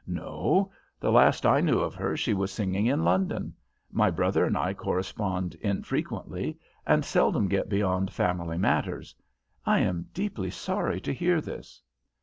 "No. The last I knew of her she was singing in London. My brother and I correspond infrequently, and seldom get beyond family matters. I am deeply sorry to hear this."